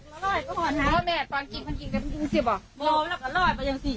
มันก็รอยก็ห่อนฮะตอนจิ้งมันจิ้งจะจิ้งสิบอ่ะแล้วก็รอยไปยังสี่